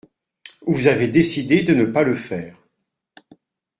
Vous avez décidé de ne pas le faire.